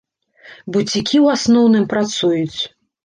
Буцікі, у асноўным, працуюць.